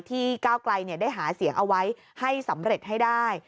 ที่ก้าวไกลย์เนี่ยได้หาเสียงเอาไว้ให้สำเร็จให้ได้